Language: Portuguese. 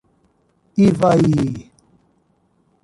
Ivaí